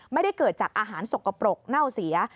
ไม่ได้เกิดจากอาหารสกปรกเน่าเสีย